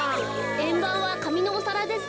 えんばんはかみのおさらですね。